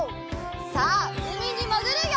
さあうみにもぐるよ！